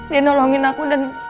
dia nolongin aku dan